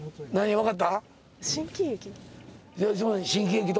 分かった？